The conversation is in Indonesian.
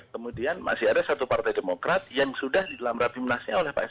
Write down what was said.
kemudian masih ada satu partai demokrat yang sudah di dalam rapimnasnya oleh pak sb